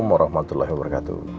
assalamualaikum warahmatullahi wabarakatuh